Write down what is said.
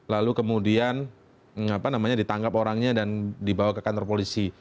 lalu kemudian ditangkap orangnya dan dibawa ke kantor polisi